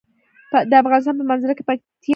د افغانستان په منظره کې پکتیا ښکاره ده.